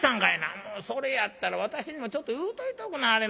もうそれやったら私にもちょっと言うといておくんなはれな。